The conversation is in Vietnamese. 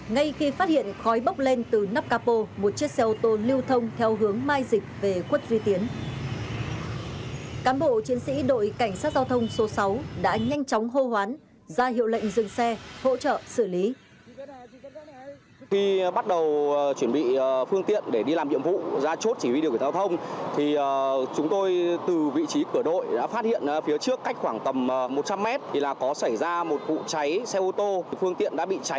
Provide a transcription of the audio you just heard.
ngay khi phát hiện khói bốc lên từ nắp capo một chiếc xe ô tô lưu thông theo hướng mai dịch về khuất duy tiến